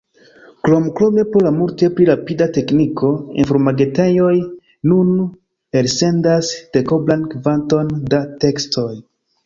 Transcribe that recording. Kromkrome pro la multe pli rapida tekniko, informagentejoj nun elsendas dekoblan kvanton da tekstoj.